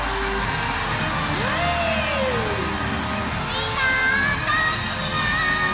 みんなこんにちは！